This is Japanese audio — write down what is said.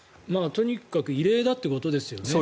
とにかく異例だということですね。